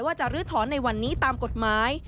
จะลื้อถอนในวันนี้ตามกฎหมาย